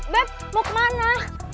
beb mau kemana